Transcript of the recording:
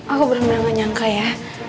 aku bener bener gak nyangka ya